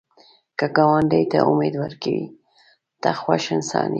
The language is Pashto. که ګاونډي ته امید ورکوې، ته خوښ انسان یې